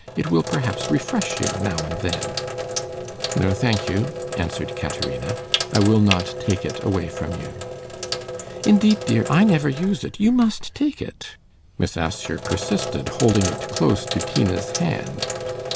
It will perhaps refresh you now and then.' 'No, thank you,' answered Caterina; 'I will not take it away from you.' 'Indeed, dear, I never use it; you must take it,' Miss Assher persisted, holding it close to Tina's hand.